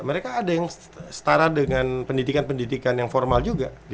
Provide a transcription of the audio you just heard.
mereka ada yang setara dengan pendidikan pendidikan yang formal juga